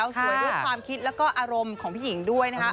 สวยด้วยความคิดแล้วก็อารมณ์ของพี่หญิงด้วยนะคะ